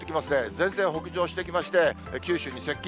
前線北上してきまして、九州に接近。